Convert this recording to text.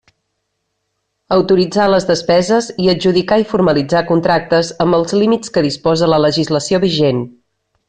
Autoritzar les despeses i adjudicar i formalitzar contractes amb els límits que disposa la legislació vigent.